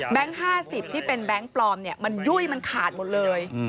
๕๐ที่เป็นแบงค์ปลอมมันยุ่ยมันขาดหมดเลย